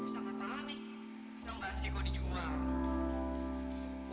kok jadi sahabat gitu sih